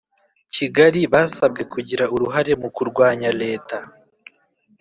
Kigali basabwe kugira uruhare mu kurwanya leta